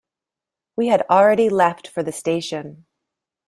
We had already left for the station.